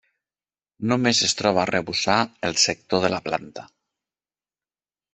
Només es troba arrebossar el sector de la planta.